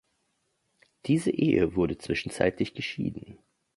Diese Ehe wurde zwischenzeitlich geschieden.